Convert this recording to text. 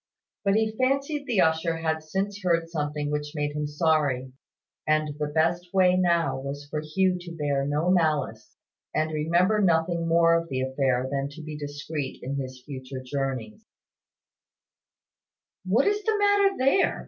But he fancied the usher had since heard something which made him sorry; and the best way now was for Hugh to bear no malice, and remember nothing more of the affair than to be discreet in his future journeys. "What is the matter there?"